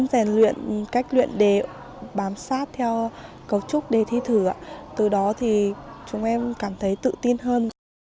chúng em có thể luyện cách luyện đề bám sát theo cấu trúc đề thi thử từ đó chúng em cảm thấy tự tin hơn